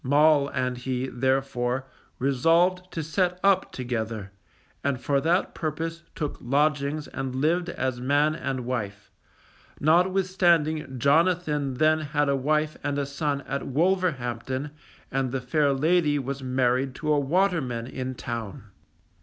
Moll and he, therefore, resolved to set up together, and for that purpose took lodgings and lived as man and wife, notwithstanding Jonathan then had a wife and a son at Wolverhampton and the fair lady was married to a waterman in town.